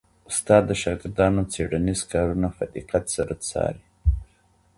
استاد د شاګردانو څېړنیز کارونه په دقت څاري.